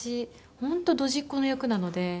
本当ドジっ子の役なので。